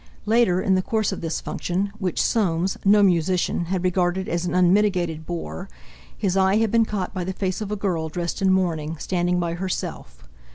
Later in the course of this function, which Soames, no musician, had regarded as an unmitigated bore, his eye had been caught by the face of a girl dressed in mourning, standing by herself.